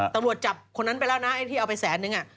ตำรวจจับคนนั้นไปแล้วนะไอ้ที่เอาไปแสนนึง